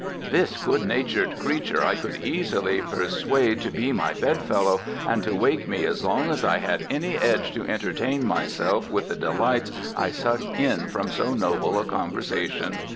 ' This good natur'd creature I could easily perswade to be my bedfellow and to wake me as long as I had any edge to entertain myselfe with the delights I sucked in from so noble a conversation.